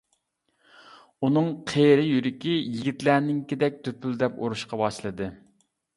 ئۇنىڭ قېرى يۈرىكى يىگىتلەرنىڭكىدەك دۈپۈلدەپ ئۇرۇشقا باشلىدى.